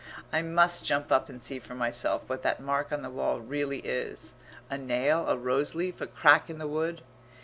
I must jump up and see for myself what that mark on the wall really is a nail, a rose leaf, a crack in the wood?